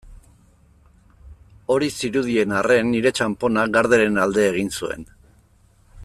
Hori zirudien arren, nire txanponak Garderen alde egin zuen.